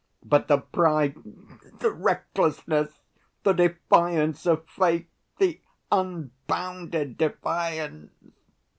But the pride, the recklessness, the defiance of fate, the unbounded defiance!